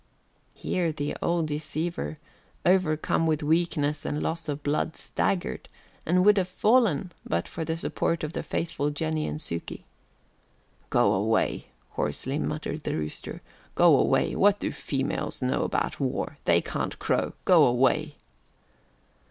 Here the old deceiver, overcome with weakness and loss of blood, staggered, and would have fallen but for the Support of the faithful Jennie and Sukey. "Go away," hoarsely muttered the rooster, "go away; what do females know about war. They can't crow! Go away!"